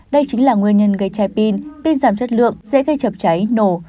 đây chính là nguyên nhân gây chai pin pin giảm chất lượng dễ gây chập cháy nổ